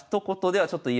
はい。